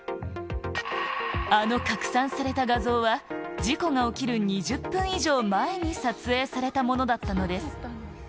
あの拡散された画像は、事故が起きる２０分以上前に撮影されたものだったのです。